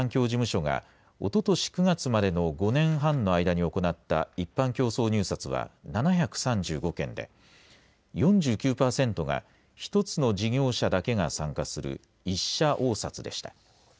福島地方環境事務所がおととし９月までの５年半の間に行った一般競争入札は７３５件で、４９％が１つの事業者だけが参加する１者応札でした。